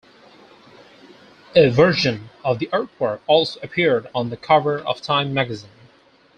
A version of the artwork also appeared on the cover of "Time" magazine.